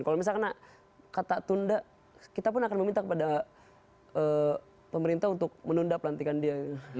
kalau misalnya kata tunda kita pun akan meminta kepada pemerintah untuk menunda pelantikan dia